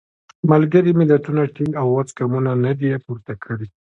ملګري ملتونو ټینګ او غوڅ ګامونه نه دي پورته کړي.